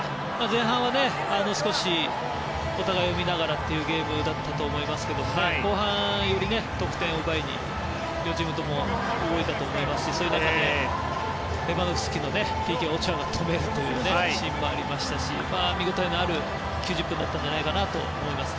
前半は少しお互いを見ながらというゲームだったと思いますけども後半、より得点を奪いに両チームとも動いたと思いますしそういう中でレバンドフスキのＰＫをオチョアが止めるシーンもあったし見応えのある９０分だったんじゃないかと思います。